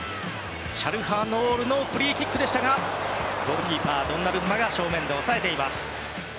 チャルハノールのフリーキックでしたがゴールキーパー、ドンナルンマが正面で押さえました。